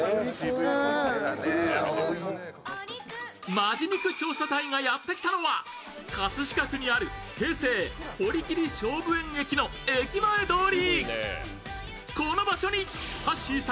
「本気肉調査隊」がやってきたのは、葛飾区にある京成堀切菖蒲園駅の駅前通り。